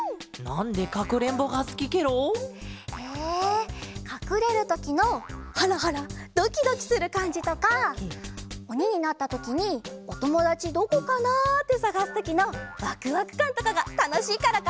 なんでかくれんぼがすきケロ？えかくれるときのハラハラドキドキするかんじとかおにになったときに「おともだちどこかな？」ってさがすときのワクワクかんとかがたのしいからかな。